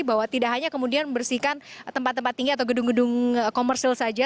bahwa tidak hanya kemudian membersihkan tempat tempat tinggi atau gedung gedung komersil saja